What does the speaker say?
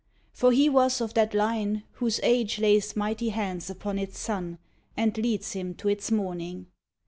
For he was of that line Whose Age lays mighty hands upon its son And leads him to its morning.